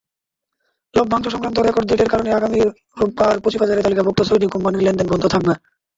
লভ্যাংশ-সংক্রান্ত record ডেটের কারণে আগামী রোববার পুঁজিবাজারে তালিকাভুক্ত ছয়টি কোম্পানির লেনদেন বন্ধ থাকবে।